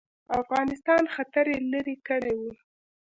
افغانستان خطر یې لیري کړی وو.